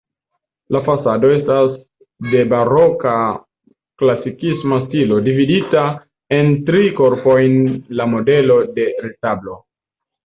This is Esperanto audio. La fasado estas de baroka-klasikisma stilo, dividita en tri korpojn la modelo de retablo.